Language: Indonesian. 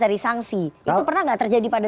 dari sanksi itu pernah nggak terjadi pada